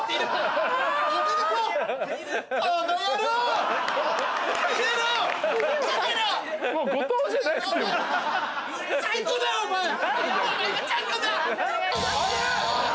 判定お願いします。